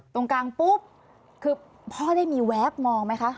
ตรงกลางปุ๊บคือพ่อได้มีแวบมองไหมคะ